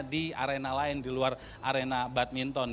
di arena lain di luar arena badminton